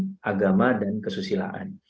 hukum agama dan kesusilaan